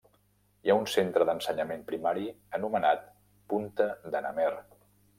Hi ha un centre d'ensenyament primari anomenat Punta de n'Amer.